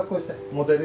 モデル。